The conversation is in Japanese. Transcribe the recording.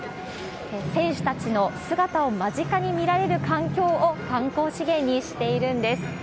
選手たちの姿を間近に見られる環境を観光資源にしているんです。